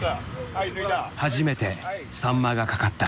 初めてサンマが掛かった。